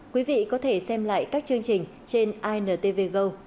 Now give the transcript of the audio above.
quý vị có thể xem lại các chương trình trên intv go